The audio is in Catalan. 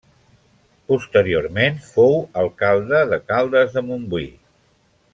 Posteriorment fou alcalde de Caldes de Montbui.